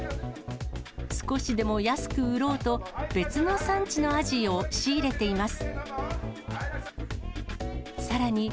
少しでも安く売ろうと、別の産地のアジを仕入れています。